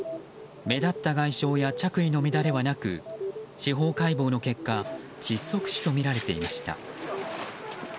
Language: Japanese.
目立った外傷や着衣の乱れはなく司法解剖の結果窒息死とみられていました。